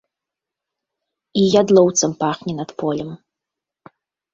І ядлоўцам пахне над полем.